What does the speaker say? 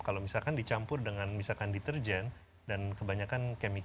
jadi kalau kita menggunakan bahan aktif kita bisa menggunakan bahan yang aktif